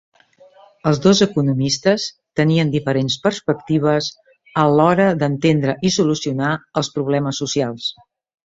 Els dos economistes tenien diferents perspectives a l'hora d'entendre i solucionar els problemes socials.